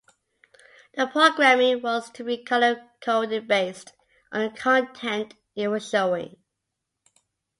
The programming was to be color-coded based on the content it was showing.